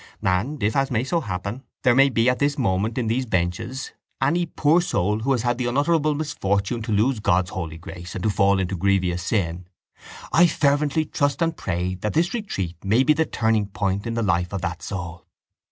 And if, as may so happen, there be at this moment in these benches any poor soul who has had the unutterable misfortune to lose God's holy grace and to fall into grievous sin, I fervently trust and pray that this retreat may be the turning point in the life of that soul.